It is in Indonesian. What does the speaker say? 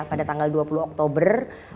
pada tanggal dua puluh oktober